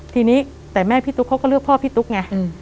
ทีนี้แต่แม่พี่ตุ๊กเขาก็เลือกพ่อพี่ตุ๊กไง